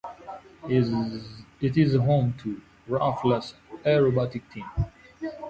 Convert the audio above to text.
It is home to "The Roulettes" aerobatic team.